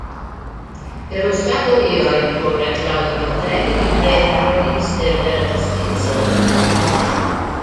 Ero stato io a imporre a Claudio Martelli di prenderlo al Ministero della Giustizia".